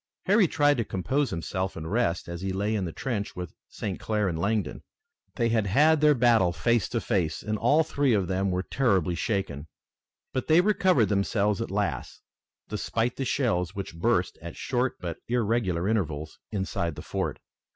Harry tried to compose himself and rest, as he lay in the trench with St. Clair and Langdon. They had had their battle face to face and all three of them were terribly shaken, but they recovered themselves at last, despite the shells which burst at short but irregular intervals inside the fort.